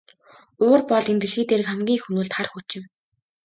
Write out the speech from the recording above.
Уур бол энэ дэлхий дээрх хамгийн их хөнөөлт хар хүч юм.